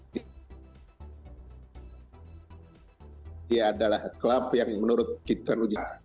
dia adalah klub yang menurut kita uji coba